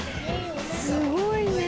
すごいね。